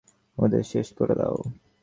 ওদের শেষ করে দাও!